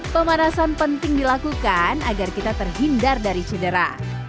pemanasan penting dilakukan agar kita terhindar dari cedera